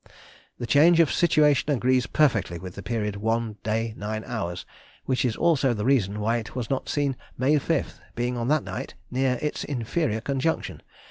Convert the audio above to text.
The change of situation agrees perfectly with the period 1^d 9^h, which is also the reason why it was not seen May 5th, being on that night near its inferior conjunction.